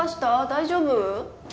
大丈夫？